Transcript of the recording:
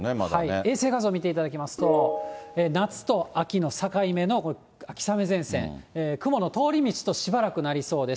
衛星画像、見ていただきますと、夏と秋の境目の秋雨前線、雲の通り道と、しばらくなりそうです。